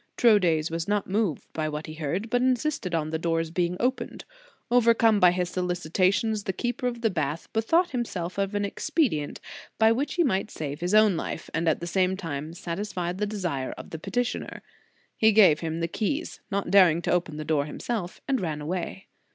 Troades was not moved by what he heard, but insisted on the doors being opened. Overcome by his solicitations, the keeper of the bath bethought himself of an expedient by which he might save his own life and at the same time satisfy the desire of the peti tioner. He gave him the keys, not daring to open the door himself, and ran away.